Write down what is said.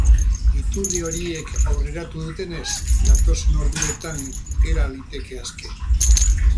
Iturri horiek aurreratu dutenez, datozen orduotan gera liteke aske.